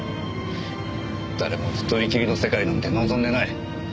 誰も一人きりの世界なんて望んでない。